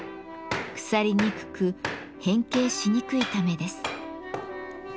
腐りにくく変形しにくいためです。